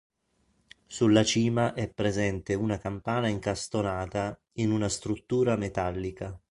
Sulla cima è presente una campana incastonata in una struttura metallica.